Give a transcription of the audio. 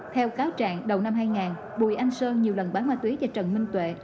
theo cáo trạng đầu năm hai nghìn bùi anh sơn nhiều lần bán ma túy cho trần minh tuệ